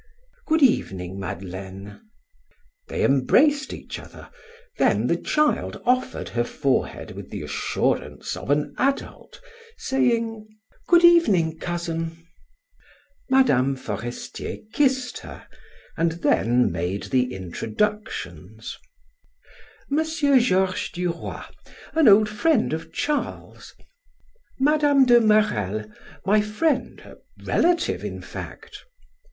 "Good evening, Madeleine." They embraced each other, then the child offered her forehead with the assurance of an adult, saying: "Good evening, cousin." Mme. Forestier kissed her, and then made the introductions: "M. Georges Duroy, an old friend of Charles. Mme. de Marelle, my friend, a relative in fact."